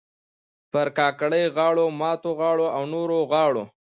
پر کاکړۍ غاړو، ماتو غاړو او نورو غاړو